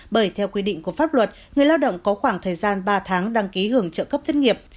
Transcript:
bởi theo quy định của pháp luật người lao động có khoảng thời gian ba tháng đăng ký hưởng trợ cấp thất nghiệp